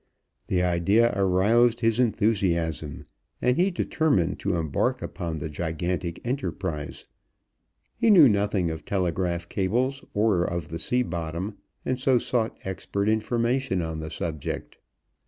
The idea aroused his enthusiasm, and he determined to embark upon the gigantic enterprise. He knew nothing of telegraph cables or of the sea bottom, and so sought expert information on the subject.